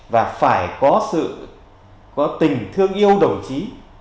và phải có tình thương yêu đồng chí